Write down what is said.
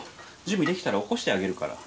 準備できたら起こしてあげるから。